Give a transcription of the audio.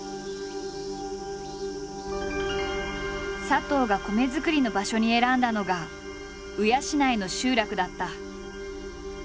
佐藤が米作りの場所に選んだのが鵜養の集落だった。